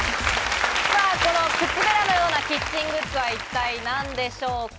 この靴べらのようなキッチングッズは一体何でしょうか？